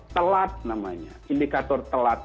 telat namanya indikator telat